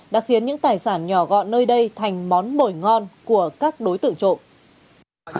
đã khiến những tài sản nhỏ gọn nơi đây thành món mồi ngon của các đối tượng trộm